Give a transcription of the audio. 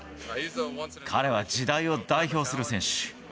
彼は時代を代表する選手。